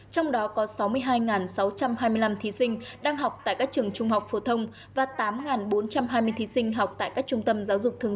trong đó có sáu mươi hai sáu trăm hai mươi năm thi sinh đang học tại các trường trung học phổ thông và tám bốn trăm hai mươi thi sinh học tại các trung học phổ thông